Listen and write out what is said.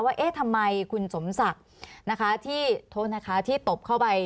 เอ๊ะทำไมคุณสมศักดิ์นะคะที่โทษนะคะที่ตบเข้าไป